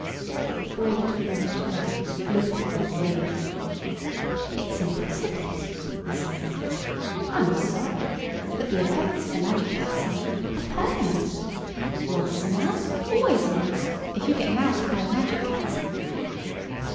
The Great White Rat looked at them gravely. "It's impossible," he said. "I am sorry, but the effects of the Magic Cat's eye are permanent. Once a mouse, always a mouse, if you get moused by the Magic Cat's eye."